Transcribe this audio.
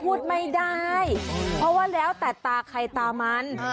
พูดไม่ได้เพราะว่าแล้วแต่ตาใครตามัน